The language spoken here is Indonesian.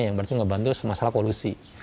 yang berarti ngebantu semasalah kolusi